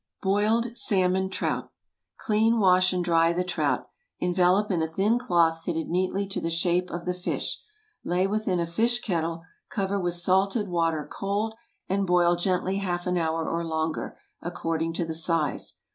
BOILED SALMON TROUT. ✠ Clean, wash, and dry the trout; envelop in a thin cloth fitted neatly to the shape of the fish, lay within a fish kettle, cover with salted water (cold), and boil gently half an hour or longer, according to the size.